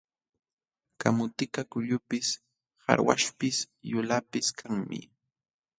Kamutikaq kullipis, qarwaśhpis, yulaqpis kanmi.